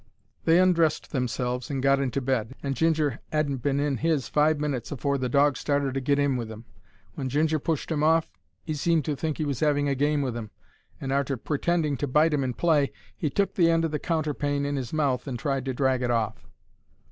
They undressed themselves and got into bed, and Ginger 'adn't been in his five minutes afore the dog started to get in with 'im. When Ginger pushed 'im off 'e seemed to think he was having a game with 'im, and, arter pretending to bite 'im in play, he took the end of the counterpane in 'is mouth and tried to drag it off.